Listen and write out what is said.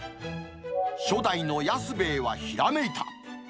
初代の安兵衛はひらめいた。